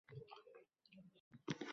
Guruch kurmaksiz boʻlmaydi.